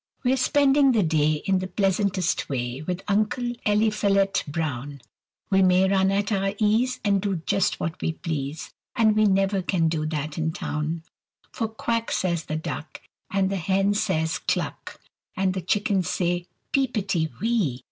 WE'RE spending the day, In the pleasantest way, With Uncle Eliphalet Brown: We may run at our ease, And do just what we please, And we never can do that in town. [Illustration: The BARNYARD.] For "Quack!" says the duck, And the hen says "Cluck!" And the chickens say, "Peepity wee!"